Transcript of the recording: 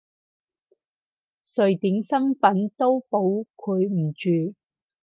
瑞典身份都保佢唔住！